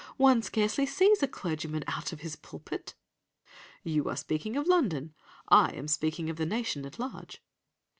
One scarcely sees a clergyman out of his pulpit!' "'You are speaking of London, I am speaking of the nation at large.